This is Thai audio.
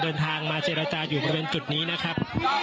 การเนินทางมาเจรจาอยู่ประเทศภูมิในจุดนี้นะครับ